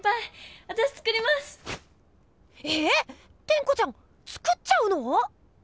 ⁉テンコちゃん作っちゃうの？